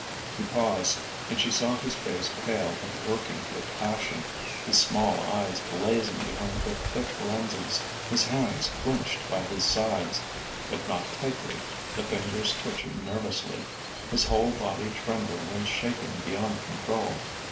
He paused, and she saw his face pale and working with passion; his small eyes blazing behind their thick lenses; his hands clenched by his sides, but not tightly, the fingers twitching nervously; his whole body trembling and shaken beyond control.